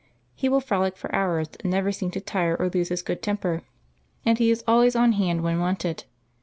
He will frolic for hours and never seem to tire or lose his good temper, and he is always on hand when wanted.